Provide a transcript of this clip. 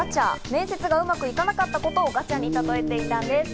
面接がうまくいかなかったことをガチャに例えていたんです。